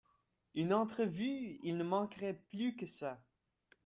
Une entrevue !… il ne manquerait plus que ça !…